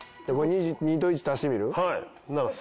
２と１足してみる？